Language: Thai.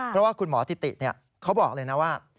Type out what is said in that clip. เพราะว่าคุณหมอทิติเขาบอกเลยนะว่า